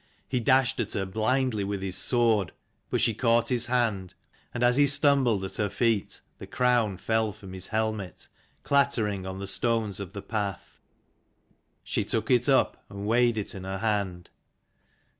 He dashed at her blindly with his sword, but she caught his hand; and as he stumbled at her feet, the crown fell from his helmet, clattering on the stones of the path. She took it up, and weighed it in her hand.